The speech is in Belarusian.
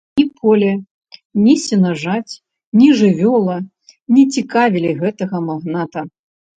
Ні поле, ні сенажаць, ні жывёла не цікавілі гэтага магната.